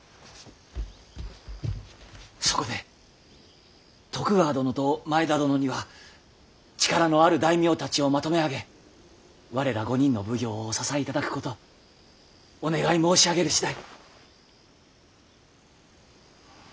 そこで徳川殿と前田殿には力のある大名たちをまとめ上げ我ら５人の奉行をお支えいただくことお願い申し上げる次第。